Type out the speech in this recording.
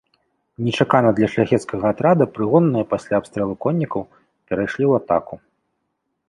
Нечакана для шляхецкага атрада прыгонныя пасля абстрэлу коннікаў перайшлі ў атаку.